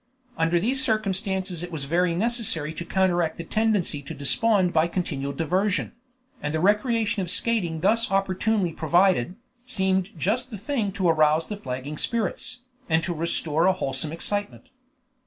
Under these circumstances it was very necessary to counteract the tendency to despond by continual diversion; and the recreation of skating thus opportunely provided, seemed just the thing to arouse the flagging spirits, and to restore a wholesome excitement.